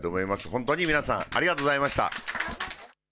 本当に皆さん、ありがとうございました。